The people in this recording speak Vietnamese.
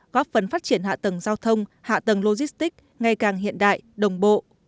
góp phần phát triển hạ tầng giao thông hạ tầng logistics ngày càng hiện đại đồng bộ